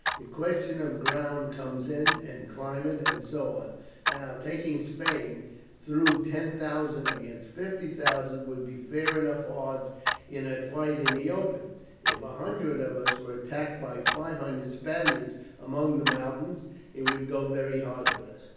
The question of ground comes in, and climate, and so on. Now, taking Spain, though 10,000 against 50,000 would be fair enough odds in a fight in the open, if a hundred of us were attacked by 500 Spaniards among the mountains, it would go very hard with us.